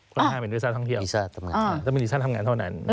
ก็ไม่ได้เป็นวีซ่าท่องเที่ยวจะเป็นวีซ่าทำงานเท่านั้น